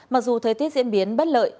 mặc dù thời tiết diễn biến bất lợi